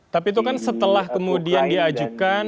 tapi itu kan setelah kemudian diajukan